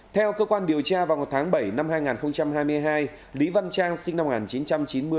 theo cơ quan điều tra vào tháng bảy năm hai nghìn hai mươi hai lý văn trang sinh năm một nghìn chín trăm chín mươi